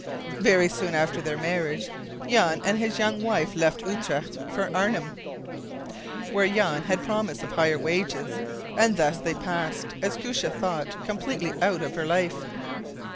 Very soon after their marriage Jan and his young wife left Utrecht for Arnheim, where Jan had promise of higher wages; and thus they passed, as Koosje thought, completely out of her life.